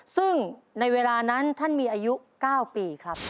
ซึ่งในเวลานั้นท่านมีอายุ๙ปีครับ